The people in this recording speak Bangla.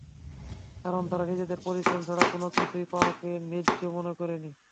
কারণ তারা নিজেদের পরিশ্রম ছাড়া কোনো কিছু পাওয়াকে ন্যায্য মনে করেনি।